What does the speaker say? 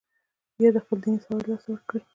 یا خپل دیني سواد له لاسه ورکړي.